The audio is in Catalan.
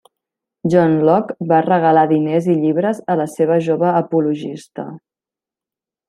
John Locke va regalar diners i llibres a la seva jove apologista.